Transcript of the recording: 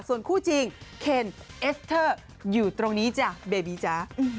ส่วนคู่จริงเคนเอสเตอร์อยู่ตรงนี้จ้ะเบบีจ๊ะ